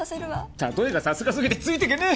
たとえがさすがすぎてついていけねえ！